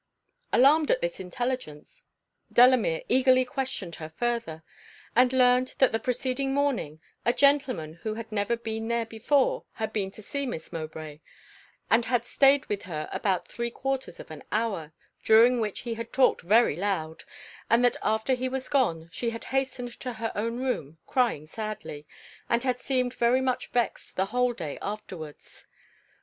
Alarmed at this intelligence, Delamere eagerly questioned her further; and learned that the preceding morning, a gentleman who had never been there before, had been to see Miss Mowbray, and had staid with her about three quarters of an hour, during which he had talked very loud; and that after he was gone, she had hastened to her own room, crying sadly, and had seemed very much vexed the whole day afterwards.